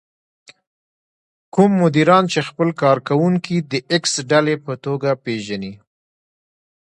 کوم مديران چې خپل کار کوونکي د ايکس ډلې په توګه پېژني.